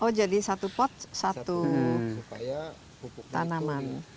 oh jadi satu pot satu tanaman